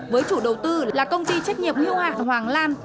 với chủ đầu tư là công ty trách nhiệm hưu hạn hoàng lan